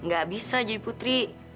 gak bisa jadi putri